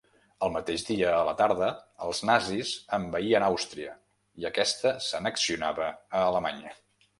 El mateix dia a la tarda els nazis envaïen Àustria i aquesta s'annexionava a Alemanya.